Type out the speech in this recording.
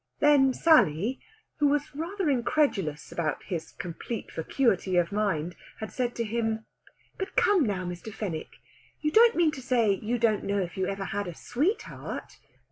Then Sally, who was rather incredulous about this complete vacuity of mind, had said to him: "But come now, Mr. Fenwick, you don't mean to say you don't know if you ever had a sweetheart?"